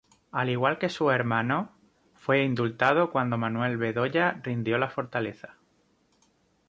Al igual que sus hermanos, fue indultado cuando Manuel Bedoya rindió la fortaleza.